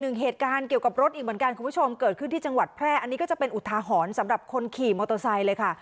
เหตุการณ์เกี่ยวกับรถอีกเหมือนกันคุณผู้ชมเกิดขึ้นที่จังหวัดแพร่อันนี้ก็จะเป็นอุทาหรณ์สำหรับคนขี่มอเตอร์ไซค์เลยค่ะ